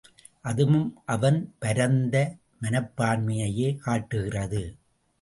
அதுவும் அவன் பரந்த மனப்பான்மையையே காட்டுகிறது.